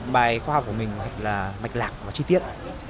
bài khoa học của mình là mạch lạc và chi tiết